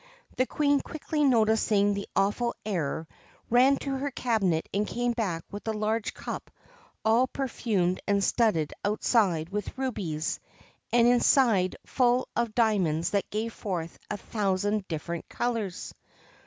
The Queen, quickly noticing the awful error, ran to her cabinet and came back with a large cup all perfumed and studded outside with rubies, and inside full of diamonds that gave forth a thousand different colours.